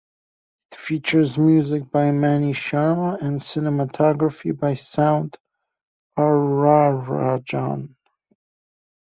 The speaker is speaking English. It features music by Mani Sharma and cinematography by Soundararajan.